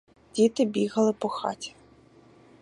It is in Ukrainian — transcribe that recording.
Діти бігали по хаті.